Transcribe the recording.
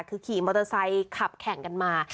คือขี่มอเตอร์ไซค์ขับแข่งกันมา